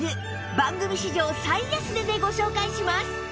番組史上最安値でご紹介します